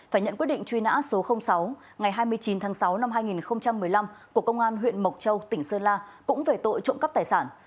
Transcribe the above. phải nhận quyết định truy nã số sáu ngày hai mươi chín tháng sáu năm hai nghìn một mươi năm của công an huyện mộc châu tỉnh sơn la cũng về tội trộm cắp tài sản